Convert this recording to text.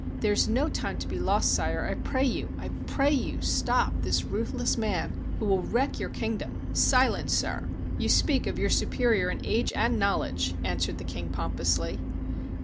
There is no time to be lost, sire, I pray you — I pray you, stop this ruthless man, who will wreck your kingdom —" "Silence, sir! You speak of your superior in age and knowledge!" answered the king pompously.